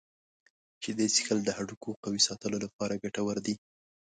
شیدې څښل د هډوکو قوي ساتلو لپاره ګټور دي.